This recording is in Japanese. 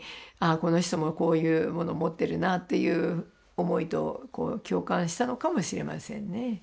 この人もこういうもの持ってるなっていう思いと共感したのかもしれませんね。